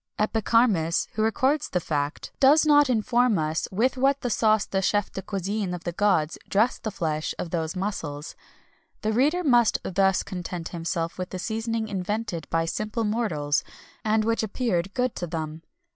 [XXI 248] Epicharmus, who records the fact, does not inform us with what sauce the chef de cuisine of the gods dressed the flesh of those mussels. The reader must thus content himself with the seasoning invented by simple mortals, and which appeared good to them.